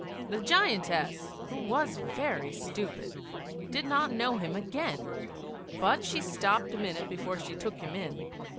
The giantess, who was very stupid, did not know him again, but she stopped a minute before she took him in.